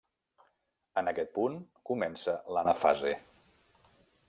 En aquest punt comença l'anafase.